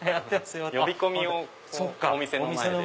呼び込みをお店の前で。